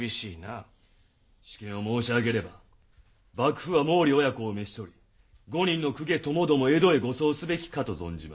私見を申し上げれば幕府は毛利親子を召し捕り５人の公家ともども江戸へ護送すべきかと存じます。